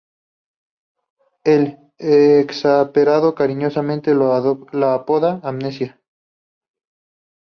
Él, exasperado cariñosamente la apoda "Amnesia".